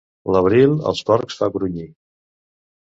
L'abril els porcs fa grunyir.